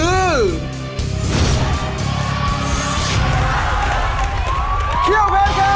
เคี่ยวเพชรครับ